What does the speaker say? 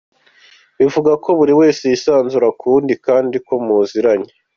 Bivuze ko buri wese yisanzura ku wundi kandi ko muziranye.